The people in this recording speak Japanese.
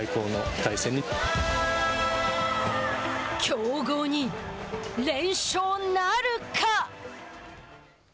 強豪に連勝なるか？